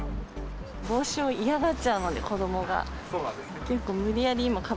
帽子を嫌がっちゃうので、子どもが。